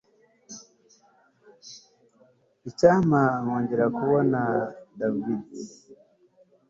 Icyampa nkongera kubona David